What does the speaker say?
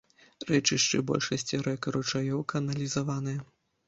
Рэчышчы большасці рэк і ручаёў каналізаваныя.